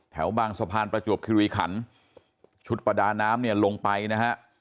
แถวบางสะพานประจวบคิริขันชุดประดาน้ำเนี่ยลงไปนะฮะ